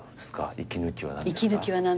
息抜きは何ですか？